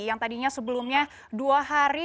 yang tadinya sebelumnya dua hari